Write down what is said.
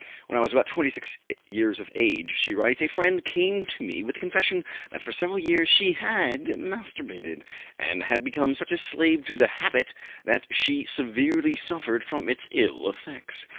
"When I was about 26 years of age," she writes, "a friend came to me with the confession that for several years she had masturbated, and had become such a slave to the habit that she severely suffered from its ill effects.